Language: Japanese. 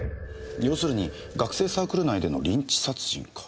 要するに学生サークル内でのリンチ殺人か。